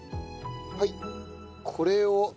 はいこれを。